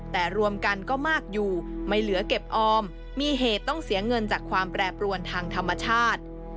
แต่รวมกันก็มากอยู่ไม่เหลือเก็บออมมีเหตุต้องเสียเงินจากความแปรปรวนทางธรรมชาติ